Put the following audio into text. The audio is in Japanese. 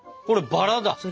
これバラだ！